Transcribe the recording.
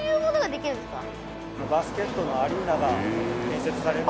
バスケットのアリーナが建設される。